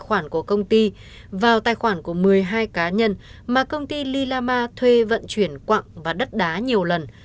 trong đó công ty xây dựng tài khoản của công ty vào tài khoản của một mươi hai cá nhân mà công ty lilama thuê vận chuyển quạng và đất đá nhiều lần